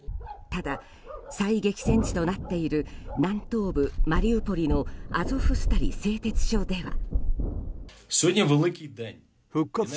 ただ、最激戦地となっている南東部マリウポリのアゾフスタリ製鉄所では。